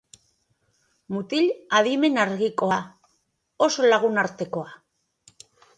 Mutil adimen argikoa, oso lagunartekoa.